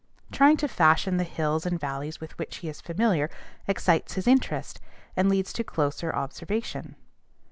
Trying to fashion the hills and valleys with which he is familiar excites his interest, and leads to closer observation.